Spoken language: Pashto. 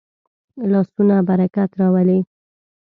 لاسونه برکت راولي